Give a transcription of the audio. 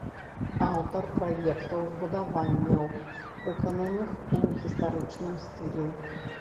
Аўтар праектаў збудаванняў, выкананых у гістарычным стылі.